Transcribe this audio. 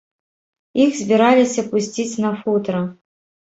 Іх збіраліся пусціць на футра.